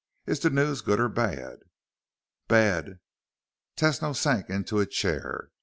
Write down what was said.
Is the news good or bad?" "Bad." Tesno sank into a chair.